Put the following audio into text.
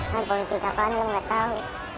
nah politik apaan nggak tahu